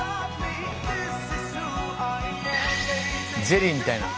ゼリーみたいな。